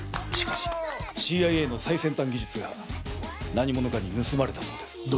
しかしＣＩＡ の最先端技術が何者かに盗まれたそうです。